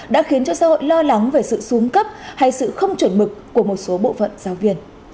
đã khiến cho xã hội lo lắng về sự xuống cấp hay sự không chuẩn mực của một số bộ phận giáo viên